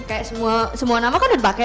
kayak semua nama kan udah pakai